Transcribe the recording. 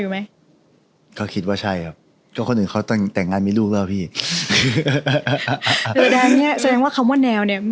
ไม่สนแล้ว